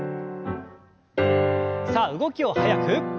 さあ動きを速く。